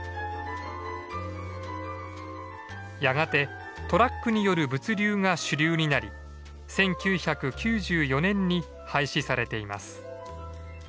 やがてトラックによる物流が主流になり１９９４年に廃止されています。